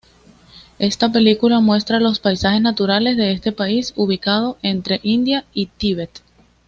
Esta película muestra los paisajes naturales de este país ubicado entre India y Tíbet.